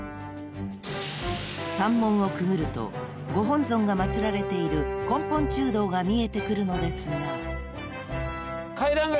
［山門をくぐるとご本尊が祭られている根本中堂が見えてくるのですが］